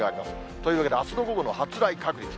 というわけで、あすの午後の発雷確率。